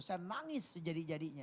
saya nangis sejadi jadinya